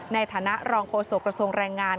ในฐานะรองโฆษกระทรวงแรงงาน